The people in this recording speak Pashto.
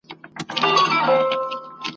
اوښکي مي د عمر پر ګرېوان دانه دانه راځي !.